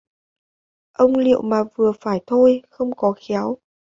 Ông liệu mà vừa phải thôi không có khéo